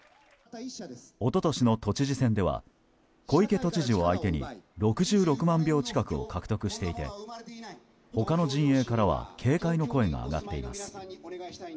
一昨年の都知事選では小池都知事を相手に６６万票近くを獲得していて他の陣営からは警戒の声が上がっています。